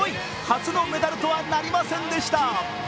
初のメダルとはなりませんでした。